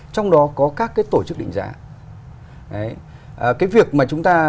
trong đó có các tổ chức định giá